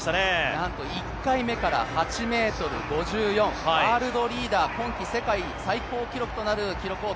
なんと１回目から８ｍ５４、ワールドリーダー、今季世界最高記録となります。